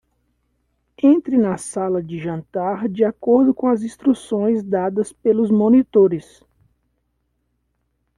Entre na sala de jantar de acordo com as instruções dadas pelos monitores.